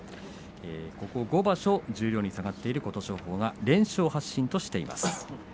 ここ５場所十両に下がっている琴勝峰が連勝発進としています。